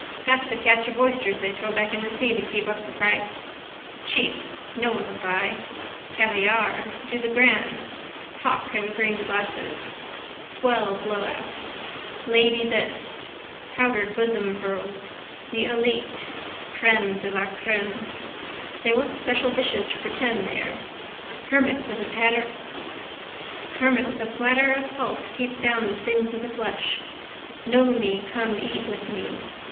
Half the catch of oysters they throw back in the sea to keep up the price. Cheap no one would buy. Caviare. Do the grand. Hock in green glasses. Swell blowout. Lady this. Powdered bosom pearls. The élite. Crème de la crème. They want special dishes to pretend they're. Hermit with a platter of pulse keep down the stings of the flesh. Know me come eat with me.